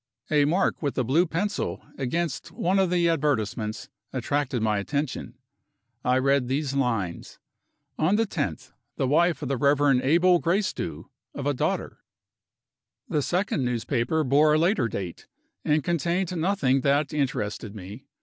A mark with a blue pencil, against one of the advertisements, attracted my attention. I read these lines: "On the 10th inst., the wife of the Rev. Abel Gracedieu, of a daughter." The second newspaper bore a later date, and contained nothing that interested me.